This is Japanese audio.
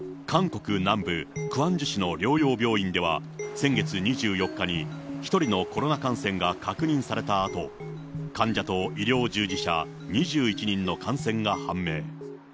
韓国南部、クァンジュ市の療養病院では、先月２４日に、１人のコロナ感染が隠されたあと、患者と医療従事者２１人の感染が判明。